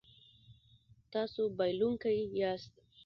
تاسو بایلونکی یاست